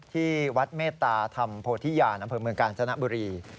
ที่วัดเมตตาธรรมโพธิญาณอำเภอเมืองกาญจนบุรี